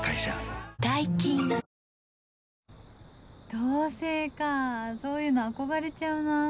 同棲かそういうの憧れちゃうな。